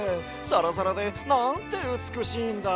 サラサラでなんてうつくしいんだ！